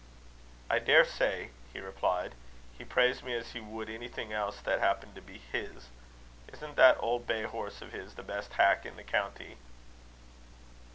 "I daresay," he replied, "he praised me as he would anything else that happened to be his. Isn't that old bay horse of his the best hack in the county?"